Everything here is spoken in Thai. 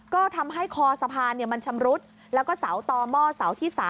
ก็ทำให้คอสะพานมันชำรุดแล้วก็เสาต่อหม้อเสาที่๓